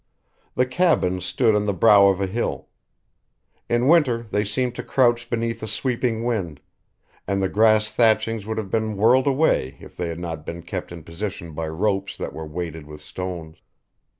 The cabins stood on the brow of a hill. In winter they seemed to crouch beneath a sweeping wind and the grass thatchings would have been whirled away if they had not been kept in position by ropes that were weighted with stones.